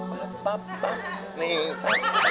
ป๊าปป๊าปป๊าปนี่ค่ะ